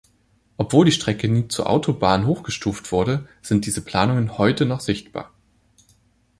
Obwohl die Strecke nie zur Autobahn hochgestuft wurde, sind diese Planungen heute noch sichtbar.